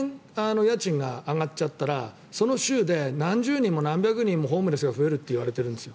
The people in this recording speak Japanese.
家賃が上がっちゃったらその州で何十人も何百人もホームレスが増えるといわれてるんです。